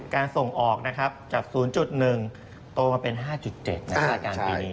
การส่งออกจาก๐๑โตมาเป็น๕๗ในการปีนี้